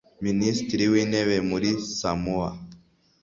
Minisitiri w’Intebe muri Samoa